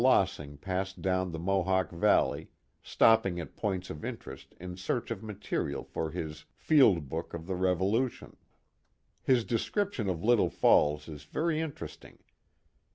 Lossing passed down the Mohawk Val ley, stopping at points of interest in search of material for his Field Book of the Revolution. His description of Little Falls is very interesting.